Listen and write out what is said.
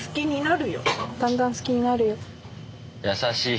優しい。